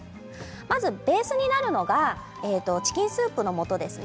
ベースになるのがチキンスープのもとですね。